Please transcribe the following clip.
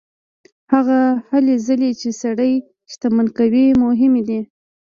هغه هلې ځلې چې سړی شتمن کوي مهمې دي.